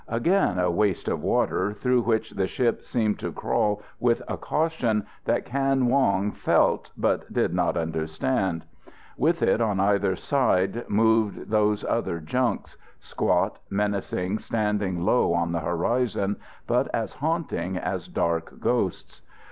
Again a waste of water, through which the ship seemed to crawl with a caution that Kan Wong felt, but did not understand. With it on either side, moved those other junks squat, menacing, standing low on the horizon, but as haunting as dark ghosts.